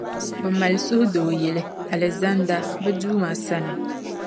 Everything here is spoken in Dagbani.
Bɛ mali suhudoo yili, Alizanda bɛ Duuma sani.